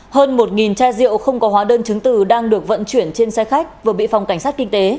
hơn một chai rượu không có hóa đơn chứng từ đang được vận chuyển trên xe khách vừa bị phòng cảnh sát kinh tế